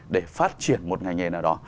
để phát triển một ngành nghề nào đó